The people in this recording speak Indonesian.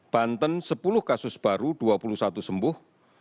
banten sepuluh kasus baru dua puluh satu sembuh